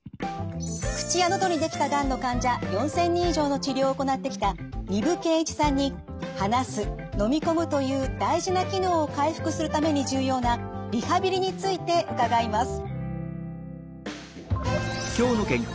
口や喉にできたがんの患者４，０００人以上の治療を行ってきた丹生健一さんに「話す」「のみ込む」という大事な機能を回復するために重要なリハビリについて伺います。